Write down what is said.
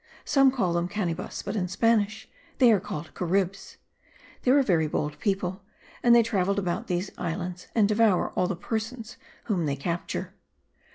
Some call them canibas; but in Spanish they are called caribs. They are a very bold people, and they travel about these islands, and devour all the persons whom they capture.